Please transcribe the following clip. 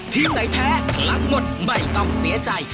ไหนแท้พลังหมดไม่ต้องเสียใจ